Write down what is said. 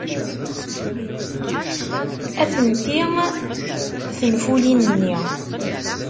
Atenti tenfulin-nni.